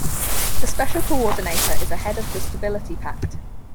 The Special Coordinator is a head of the Stability Pact.